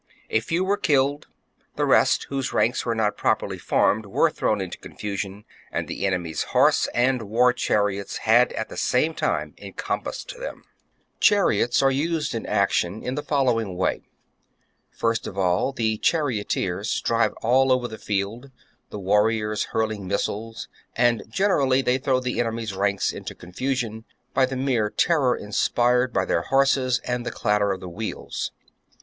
' A few were killed ; the rest, whose ranks were not properly formed, were thrown into confusion ; and the enemy's horse and war chariots had at the same time encompassed them. 33. Chariots are Bsed in action in the foUowingf Tactics and 1 1— r 11 1 1 . 1 • 11 skill of the way. First of all the charioteers drive all over charioteers. the field, the warriors hurling missiles ; and gener ally they throw the enemy's ranks into confusion by the mere terror inspired by their horses and the clatter of the wheels.